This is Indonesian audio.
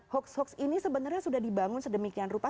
hoax hoax ini sebenarnya sudah dibangun sedemikian rupa